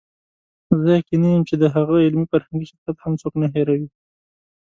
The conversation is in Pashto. زه یقیني یم چې د هغه علمي فرهنګي شخصیت هم څوک نه هېروي.